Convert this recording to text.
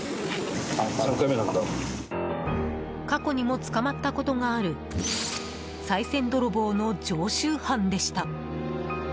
過去にも捕まったことがあるさい銭泥棒の常習犯でした。